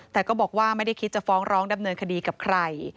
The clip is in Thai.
แต่ก็บอกว่าไม่ได้คิดจะฟ้องร้องดำเนินคดีกับใคร